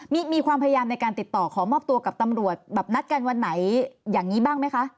มีความพยายามในการติดต่อขอมอบตัวกับตำรวจแบบนัดกันวันไหนอย่างนี้บ้างไหมคะ